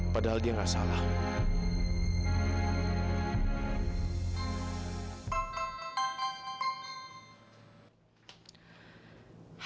padahal dia gak salah